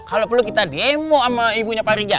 kalo perlu kita demo sama ibunya pak riza